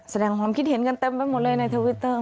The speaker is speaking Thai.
แสดงความคิดเห็นกันเต็มไปหมดเลยในทวิตเตอร์